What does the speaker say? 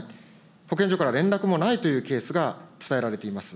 保健所から連絡もないというケースが伝えられています。